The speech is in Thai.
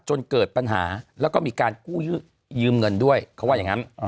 จนเกิดปัญหาแล้วก็มีการกู้ยืมเงินด้วยเขาว่าอย่างนั้น